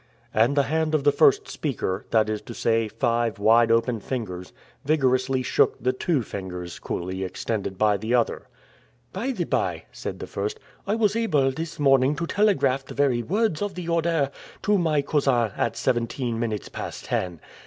And the hand of the first speaker, that is to say, five wide open fingers, vigorously shook the two fingers coolly extended by the other. "By the bye," said the first, "I was able this morning to telegraph the very words of the order to my cousin at seventeen minutes past ten."